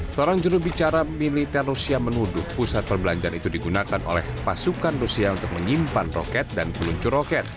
seorang jurubicara militer rusia menuduh pusat perbelanjaan itu digunakan oleh pasukan rusia untuk menyimpan roket dan peluncur roket